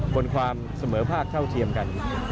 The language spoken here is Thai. บนความเสมอภาคเท่าเทียมกัน